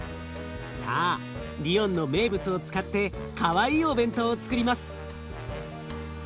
さあリヨンの名物を使ってかわいいお弁当をつくります。